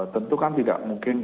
tentu kan tidak mungkin